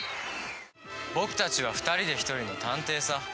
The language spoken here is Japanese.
僕たちは二人で一人の探偵さ。